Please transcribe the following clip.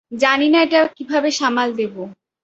জানি না এটা কীভাবে সামাল দেবো।